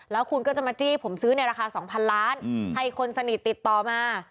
แล้วคุณก็จะมาจี้ผมซื้อในราคา๒๐๐ล้านให้คนสนิทติดต่อมา